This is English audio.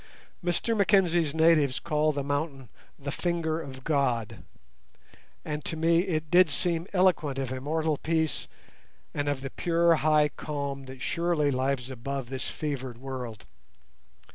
Mr Mackenzie's natives call the mountain the "Finger of God", and to me it did seem eloquent of immortal peace and of the pure high calm that surely lies above this fevered world.